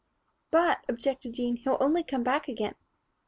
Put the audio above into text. "But," objected Jean, "he'll only come back again."